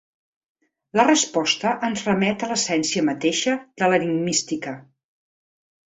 La resposta ens remet a l'essència mateixa de l'enigmística.